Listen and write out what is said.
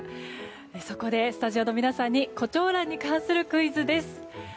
そこでスタジオの皆さんに胡蝶蘭に関するクイズです。